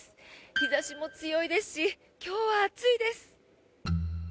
日差しも強いですし今日は暑いです。